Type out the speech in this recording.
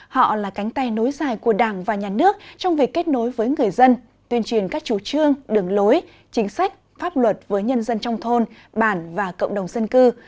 họ là cánh tay nối dài của đảng và nhà nước trong việc kết nối với người dân tuyên truyền các chủ trương đường lối chính sách pháp luật với nhân dân trong thôn bản và cộng đồng dân cư